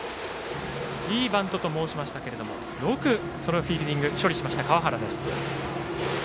いいバントと申しましたがよくフィールディングで処理しました、川原です。